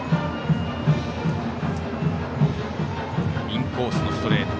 インコースのストレート。